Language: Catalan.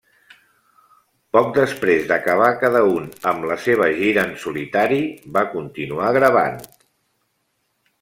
Poc després d'acabar cada un amb la seva gira en solitari, van continuar gravant.